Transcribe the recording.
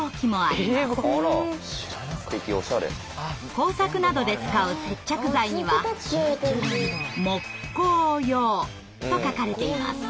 工作などで使う接着剤には「もっこーよー」と書かれています。